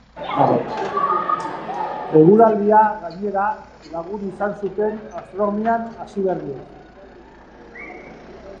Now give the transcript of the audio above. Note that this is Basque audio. Eguraldia, gainera, lagun izan zuten astronomian hasiberriek.